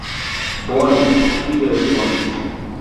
Bone vi respondis.